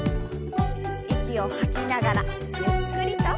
息を吐きながらゆっくりと。